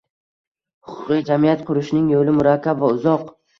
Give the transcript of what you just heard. Huquqiy jamiyat qurishning yo'li murakkab va uzoq